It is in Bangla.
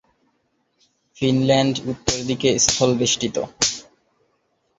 ফিনল্যান্ড উত্তর দিকে স্থলবেষ্টিত।